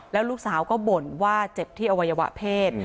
แล้วลูกสาวก็บ่นว่าเจ็บที่อวัยวะเพศ